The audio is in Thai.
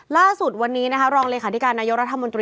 ล่าสุดวันนี้นะคะรองริขาที่การละอยก